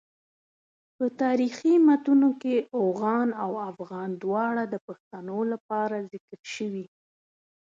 په تاریخي متونو کې اوغان او افغان دواړه د پښتنو لپاره ذکر شوي.